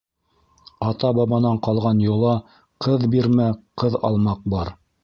Ата-бабанан ҡалған йола — ҡыҙ бирмәк, ҡыҙ алмаҡ бар...